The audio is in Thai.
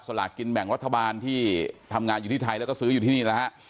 สลากกินแบ่งรัฐบาลที่ทำงานอยู่ที่ไทยแล้วก็ซื้ออยู่ที่นี่นะฮะ